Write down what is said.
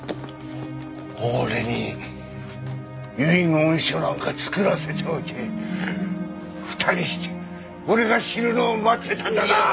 俺に遺言書なんか作らせておいて２人して俺が死ぬのを待ってたんだな！？